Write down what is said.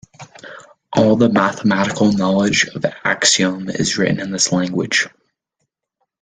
All the mathematical knowledge of Axiom is written in this language.